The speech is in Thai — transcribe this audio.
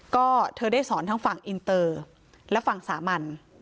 ก็เธอได้สอนทั้งฝั่งอินเตอร์และฝั่งสามัญ